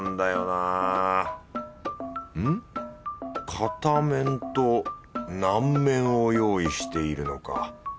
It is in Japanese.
硬麺と軟麺を用意しているのか。